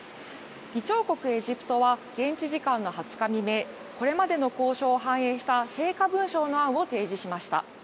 議長国エジプトは現地時間の２０日未明、これまでの交渉を反映した成果文書の案を提示しました。